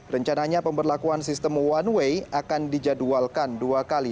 rencananya pemberlakuan sistem one way akan dijadwalkan dua kali